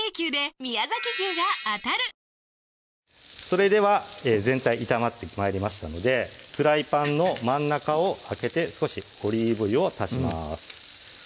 それでは全体炒まって参りましたのでフライパンの真ん中を空けて少しオリーブ油を足します